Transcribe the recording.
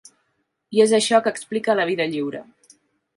I és això que explica La vida lliure.